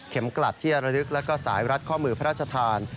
กลัดที่ระลึกแล้วก็สายรัดข้อมือพระราชทาน